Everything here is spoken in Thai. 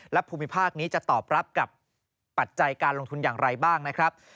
และภูมิภาคนี้จะตอบรับกับปัจจัยการลงทุนอย่างไรบ้างนะครับ